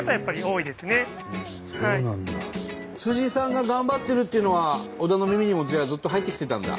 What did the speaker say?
さんが頑張ってるっていうのは小田の耳にもずっと入ってきてたんだ？